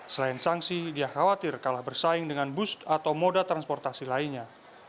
selain sanksi dia khawatir kalah bersaing dengan bus atau moda transportasi lainnya